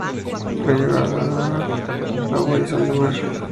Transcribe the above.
Lleva levadura, agua y sal de mar.